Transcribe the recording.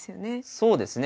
そうですね。